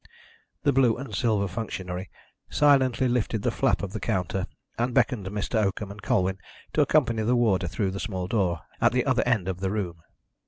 The blue and silver functionary silently lifted the flap of the counter, and beckoned Mr. Oakham and Colwyn to accompany the warder through the small door at the other end of the room.